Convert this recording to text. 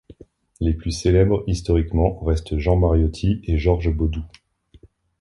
Les plus célèbres historiquement restent Jean Mariotti et Georges Baudoux.